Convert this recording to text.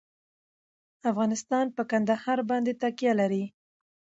افغانستان په کندهار باندې تکیه لري.